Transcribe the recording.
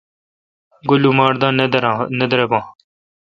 گو لماٹ دا نہ دریباں۔